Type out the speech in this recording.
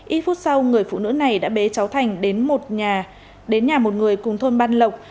ít phút sau người phụ nữ này đã bế cháu thành đến nhà một người cùng thôn ban lộc